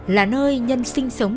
là nơi nhân sinh sống